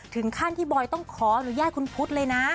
ถึงขั้นที่บอยต้องขออนุญาตคุณพุทธเลยนะ